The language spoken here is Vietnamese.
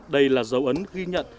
đây là dấu ấn ghi nhận